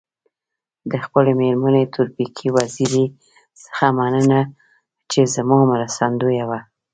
د خپلي مېرمني تورپیکۍ وزيري څخه مننه چي زما مرستندويه وه.